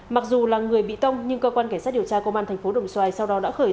mặc dù là người bị tông nhưng cơ quan cảnh sát điều tra công an tp đồng xoài sau đó đã khởi tố bị cáo